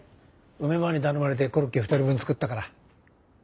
梅ばあに頼まれてコロッケ２人分作ったから。